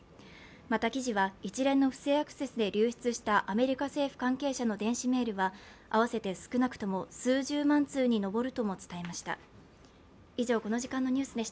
また、記事は一連の不正アクセスで流出したアメリカ政府関係者の電子メールは合わせて少なくとも数十万通に上るとも伝えました。